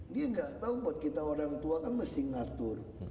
dia nggak tahu buat kita orang tua kan mesti ngatur